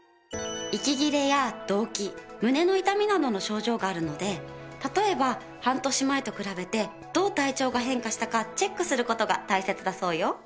息切れや動悸胸の痛みなどの症状があるので例えば半年前と比べてどう体調が変化したかチェックする事が大切だそうよ。